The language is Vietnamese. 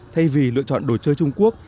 thay vì lựa chọn đồ chơi trung quốc